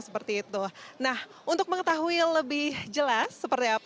seperti itu nah untuk mengetahui lebih jelas